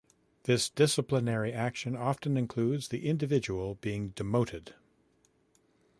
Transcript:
This disciplinary action often includes the individual being demoted.